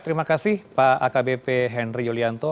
terima kasih pak akbp henry yulianto